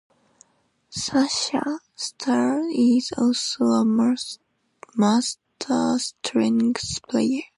Sasha Starr is also a Master-strength player.